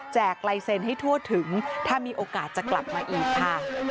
ลายเซ็นต์ให้ทั่วถึงถ้ามีโอกาสจะกลับมาอีกค่ะ